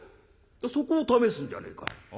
「そこを試すんじゃねえか。